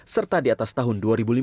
serta di atas tahun dua ribu lima belas